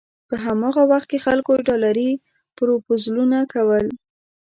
په هماغه وخت کې خلکو ډالري پروپوزلونه کول.